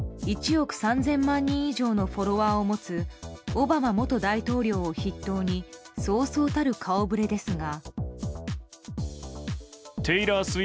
１億３０００万人以上のフォロワーを持つオバマ元大統領を筆頭にそうそうたる顔ぶれですが。